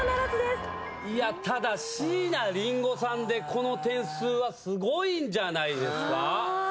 ただ椎名林檎さんでこの点数はすごいんじゃないですか。